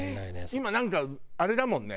今なんかあれだもんね。